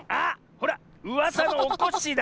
ほらうわさのおこっしぃだ！